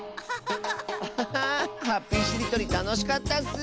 ハッピーしりとりたのしかったッス！